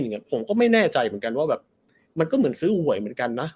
ผมก็ไม่แน่ใจเหมือนกันว่าแบบมันก็เหมือนซื้อหวยเหมือนกันนะ